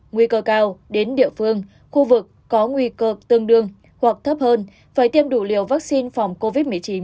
nguy cơ cao đến địa phương khu vực có nguy cơ tương đương hoặc thấp hơn phải tiêm đủ liều vaccine phòng covid một mươi chín